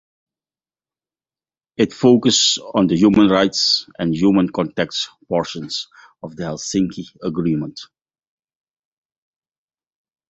It focused on the human rights and human contacts portions of the Helsinki Agreement.